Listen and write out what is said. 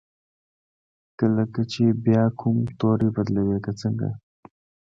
لکه چې بیا کوم توری بدلوي که څنګه؟